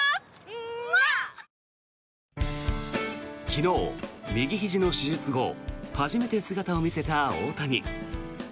昨日、右ひじの手術後初めて姿を見せた大谷。